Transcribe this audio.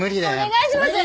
お願いします！